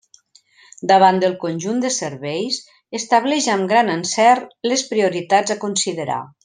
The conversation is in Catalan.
Davant del conjunt de serveis, estableix amb gran encert les prioritats a considerar.